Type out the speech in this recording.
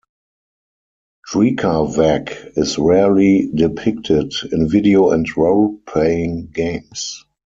Drekavac is rarely depicted in video and roleplaying games.